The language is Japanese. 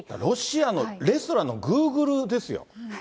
ロシアのレストランのグーグルですよ。